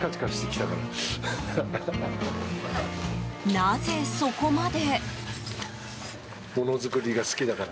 なぜ、そこまで。